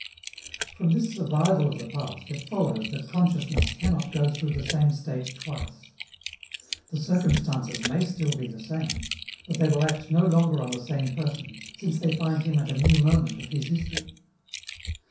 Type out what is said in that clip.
From this survival of the past it follows that consciousness cannot go through the same state twice. The circumstances may still be the same, but they will act no longer on the same person, since they find him at a new moment of his history.